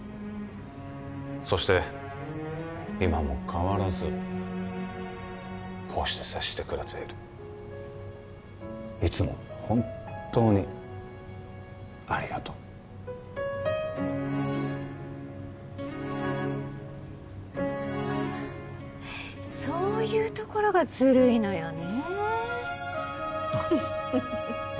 そして今も変わらずこうして接してくれているいつも本っ当にありがとうそういうところがずるいのよね